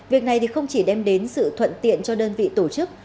việc này không chỉ đem đến sự thuận tiện cho đơn vị tổ chức